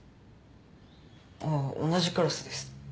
ああ同じクラスです。